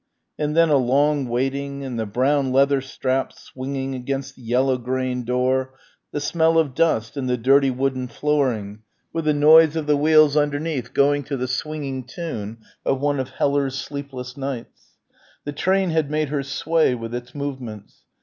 And then a long waiting, and the brown leather strap swinging against the yellow grained door, the smell of dust and the dirty wooden flooring, with the noise of the wheels underneath going to the swinging tune of one of Heller's "Sleepless Nights." The train had made her sway with its movements.